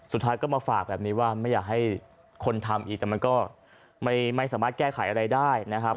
สุดท้ายก็มาฝากแบบนี้ว่าไม่อยากให้คนทำอีกแต่มันก็ไม่สามารถแก้ไขอะไรได้นะครับ